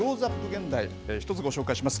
現代、一つご紹介します。